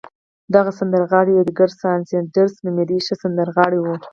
دغه سندرغاړی اېدګر ساندرز نومېده، ښه سندرغاړی و.